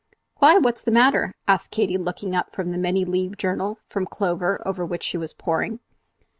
"Why! what's the matter?" asked Katy, looking up from the many leaved journal from Clover over which she was poring.